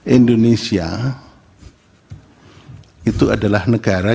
indonesia itu adalah negara